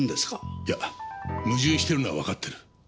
いや矛盾してるのはわかってる。